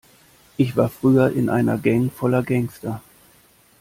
Ich war früher in einer Gang voller Gangster.